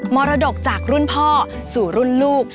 มรดกจากรุ่นพ่อสู่รุ่นลูก